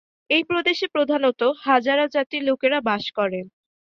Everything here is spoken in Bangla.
এই প্রদেশে প্রধানত হাজারা জাতির লোকেরা বাস করেন।